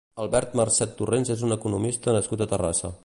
Albert Marcet Torrens és un economista nascut a Terrassa.